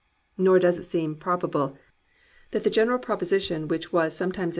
Nor does it seem probable that the general proposition which * Reverend A.